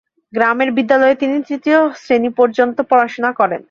গ্রামের বিদ্যালয়ে তিনি তৃতীয় শ্রেণি পর্যন্ত পড়াশুনা করেন।